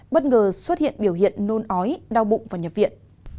bất ngờ xuất hiện biểu hiện nôn ói đau bụng và nhập viện